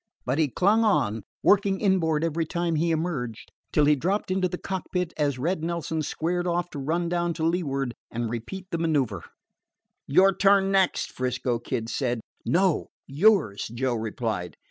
But he clung on, working inboard every time he emerged, till he dropped into the cockpit as Red Nelson squared off to run down to leeward and repeat the manoeuver. "Your turn next," 'Frisco Kid said. "No; yours," Joe replied.